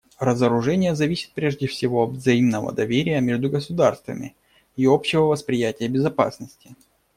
Разоружение зависит прежде всего от взаимного доверия между государствами и общего восприятия безопасности.